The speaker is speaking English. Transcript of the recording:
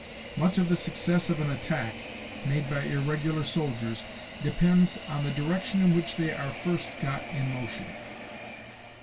Much of the success of an attack, made by irregular soldiers, depends on the direction in which they are first got in motion.